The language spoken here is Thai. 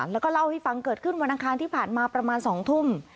แล้วก็เล่าให้ฟังเกิดขึ้นวันอังคารที่ผ่านมาประมาณ๒ทุ่ม